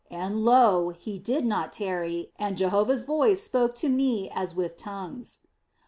And lo, he did not tarry and Jehovah's voice spoke to me as with tongues.